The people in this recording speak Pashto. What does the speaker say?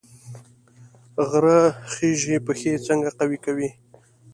غره خیژي پښې څنګه قوي کوي؟